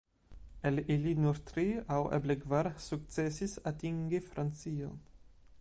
El ili nur tri, aŭ eble kvar, sukcesis atingi Francion.